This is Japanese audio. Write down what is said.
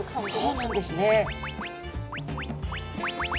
そうなんですね。